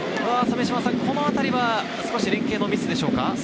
このあたりは少し連係のミスでしょうか？